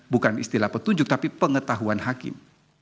bukan istilah petunjuk tapi pengetahuan hakim